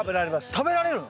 食べられるの？